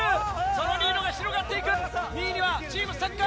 そのリードが広がっていく２位にはチームサッカー。